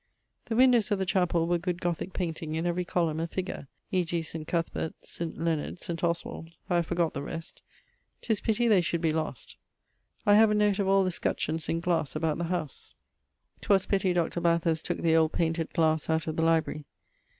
The windowes of the chapell were good Gothique painting, in every columne a figure; e.g. St. Cuthbert, St. Leonard, St. Oswald. I have forgott the rest. 'Tis pitty they should be lost. I have a note of all the scutcheons in glasse about the house. 'Twas pitty Dr. Bathurst tooke the old painted glasse out of the library.